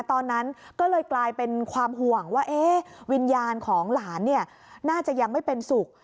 ตอนนั้นก็เลยกลายเป็นความห่วงว่าวิญญาณของหลานน่าจะยังไม่เป็นสุข